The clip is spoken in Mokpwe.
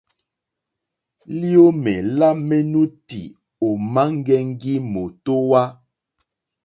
Liomè la menuti òma ŋgɛŋgi mòtohwa.